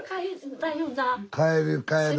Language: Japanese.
帰る帰る。